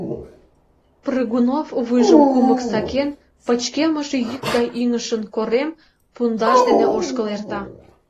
Прыгунов, вуйжым кумык сакен, пычкемыш йӱд гай ӱҥышын корем пундаш дене ошкыл эрта.